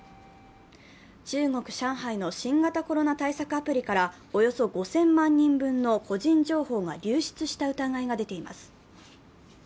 中国・上海の新型コロナ対策アプリからおよそ５０００万人分の個人情報が流出した疑いが出ています。